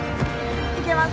いけます